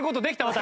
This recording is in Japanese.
私。